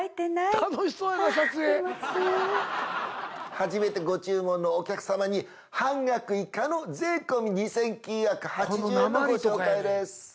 初めてご注文のお客様に半額以下の税込２９８０円のご紹介です